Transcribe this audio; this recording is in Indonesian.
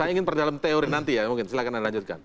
saya ingin perdalam teori nanti ya mungkin silahkan anda lanjutkan